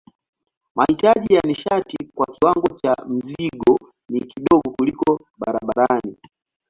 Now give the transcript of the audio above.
Mahitaji ya nishati kwa kiwango cha mzigo ni kidogo kuliko barabarani.